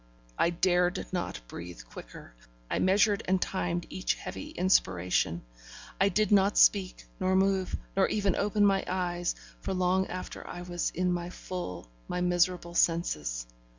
I dared not breathe quicker, I measured and timed each heavy inspiration; I did not speak, nor move, nor even open my eyes, for long after I was in my full, my miserable senses.